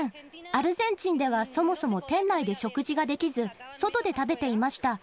アルゼンチンでは、そもそも店内で食事ができず、外で食べていました。